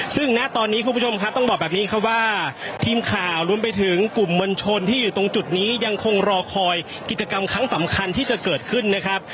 ซึ่งณตอนนี้คุณผู้ชมครับต้องบอกแบบนี้ครับว่าทีมข่าวรวมไปถึงกลุ่มมวลชนที่อยู่ตรงจุดนี้ยังคงรอคอยกิจกรรมครั้งสำคัญที่จะเกิดขึ้นนะครับ